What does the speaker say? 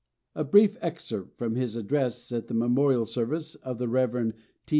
A brief excerpt from his address at the Memorial Service of the Rev. T.